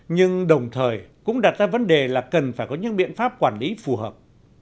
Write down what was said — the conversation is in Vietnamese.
nhưng đồng thời cũng đặt ra vấn đề là cần phải có những biện pháp quản lý phù hợp